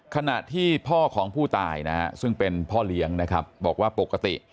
ขณะที่พ่อของผู้ตายนะฮะซึ่งเป็นพ่อเลี้ยงนะครับบอกว่าปกติ